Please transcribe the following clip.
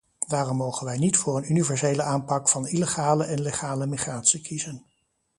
Daarom mogen wij niet voor een universele aanpak van illegale en legale migratie kiezen.